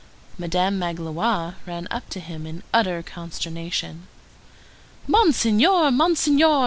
Madame Magloire ran up to him in utter consternation. "Monseigneur, Monseigneur!"